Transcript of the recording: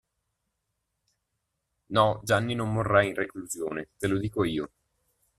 No, Gianni non morrà in reclusione, te lo dico io.